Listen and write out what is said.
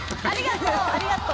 ありがとう。